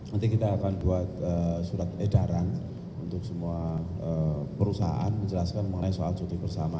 nanti kita akan buat surat edaran untuk semua perusahaan menjelaskan mengenai soal cuti bersama